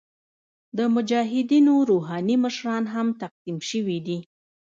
د مجاهدینو روحاني مشران هم تقسیم شوي دي.